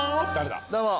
どうも。